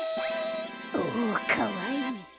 おおかわいい。